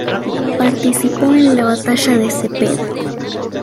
Participó en la batalla de Cepeda.